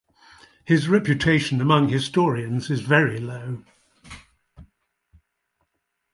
His reputation among historians is very low.